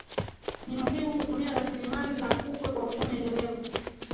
Ni muhimu kutumia rasilimali za fukwe kwa uchumi endelevu